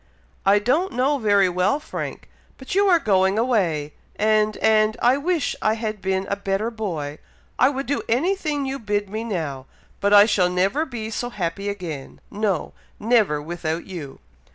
"I don't know very well, Frank! but you are going away, and and I wish I had been a better boy! I would do any thing you bid me now! but I shall never be so happy again no! never, without you!"